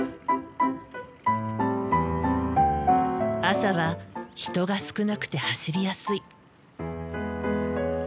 朝は人が少なくて走りやすい。